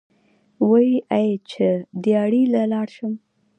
وې ئې چې " دیاړۍ له لاړ شم ـ